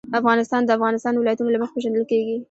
افغانستان د د افغانستان ولايتونه له مخې پېژندل کېږي.